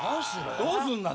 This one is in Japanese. どうすんの？